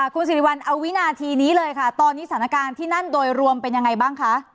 คุณสิริวัลเอาวินาทีนี้เลยค่ะตอนนี้สถานการณ์ที่นั่นโดยรวมเป็นยังไงบ้างคะ